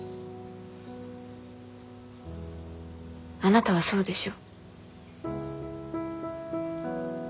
あなたはそうでしょ？